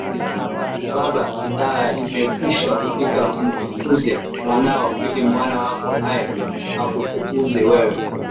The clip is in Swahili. Baba saa imekwisha kufika Mtukuze Mwanao ili Mwana wako naye akutukuze wewe